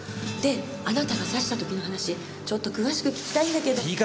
であなたが刺した時の話ちょっと詳しく聞きたいんだけど。